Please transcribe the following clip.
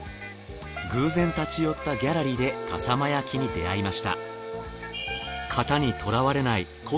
偶然立ち寄ったギャラリーで笠間焼に出会いました。